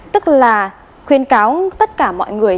tức là khuyên cáo tất cả mọi người